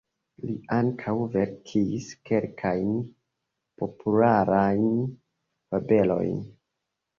Li ankaŭ verkis kelkajn popularajn fabelojn.